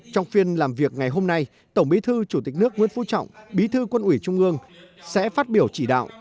trong phiên làm việc ngày hôm nay tổng bí thư chủ tịch nước nguyễn phú trọng bí thư quân ủy trung ương sẽ phát biểu chỉ đạo